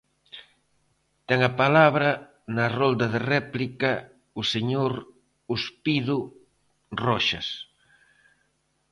Ten a palabra, na rolda de réplica, o señor Ospido Roxas.